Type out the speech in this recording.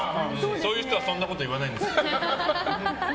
そういう人はそんなこと言わないんです。